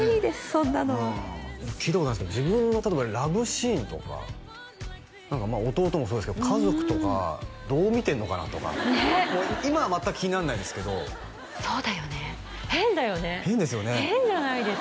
そんなのは聞いたことないんですけど自分の例えばラブシーンとか何か弟もそうですけど家族とかどう見てんのかなとかねっもう今は全く気になんないですけどそうだよね変だよね変ですよね変じゃないですか？